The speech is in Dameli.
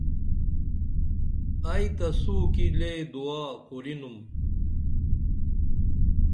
ائی تسو کی لے دعا کُرینُم